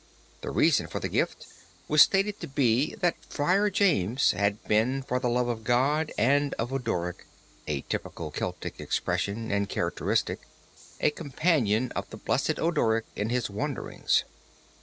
The reason for the gift was stated to be, that Friar James had been for the love of God and of Odoric (a typical Celtic expression and characteristic) a companion of the blessed Odoric in his wanderings.